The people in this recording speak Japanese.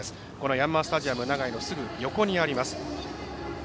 ヤンマースタジアム長居のすぐ横にあります。